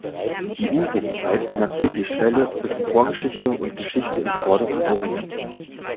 Die Uruk-Zeit markiert die Schwelle zwischen Vorgeschichte und Geschichte im Vorderen Orient.